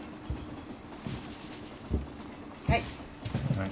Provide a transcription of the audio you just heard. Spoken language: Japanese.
はい。